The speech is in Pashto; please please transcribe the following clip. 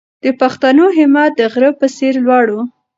د پښتنو همت د غره په څېر لوړ و.